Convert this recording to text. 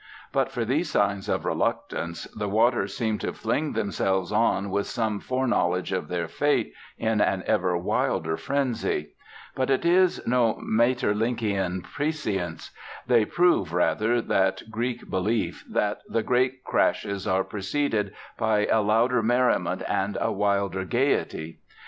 But for these signs of reluctance, the waters seem to fling themselves on with some foreknowledge of their fate, in an ever wilder frenzy. But it is no Maeterlinckian prescience. They prove, rather, that Greek belief that the great crashes are preceded by a louder merriment and a wilder gaiety.